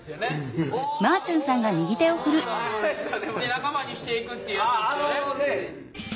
仲間にしていくっていうやつですよね？